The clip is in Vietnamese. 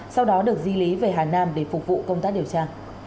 sau đó được di lý về hà nam để phục vụ công tác điều tra